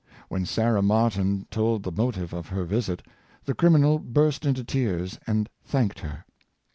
When Sarah Martin told the motive of her visit, the criminal burst into tears, and thanked her.